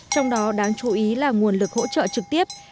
trong đó đáng chú ý là nguồn lực hỗ trợ trực tiếp